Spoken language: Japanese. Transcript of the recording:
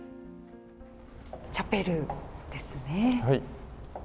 チャペルですね。